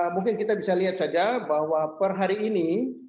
mungkin kita bisa lihat saja bahwa per hari ini